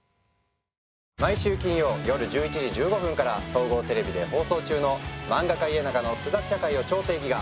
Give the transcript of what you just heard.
毎週金曜、夜１１時１５分から総合テレビで放送中の「漫画家イエナガの複雑社会を超定義」が。